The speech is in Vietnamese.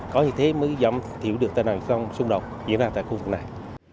có như thế mới giảm thiểu được tai nạn giao thông xung đột diễn ra tại khu vực này